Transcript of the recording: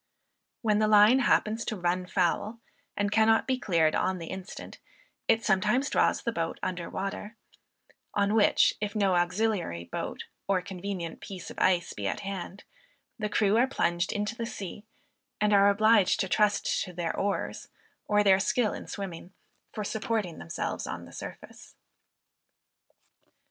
When the line happens to "run foul," and cannot be cleared on the instant, it sometimes draws the boat under water; on which, if no auxiliary boat, or convenient piece of ice, be at hand, the crew are plunged into the sea, and are obliged to trust to their oars or their skill in swimming, for supporting themselves on the surface.